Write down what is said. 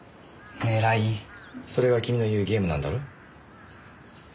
それが君の言うゲームなんだろ？